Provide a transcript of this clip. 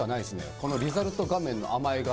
このリザルト画面の甘えが。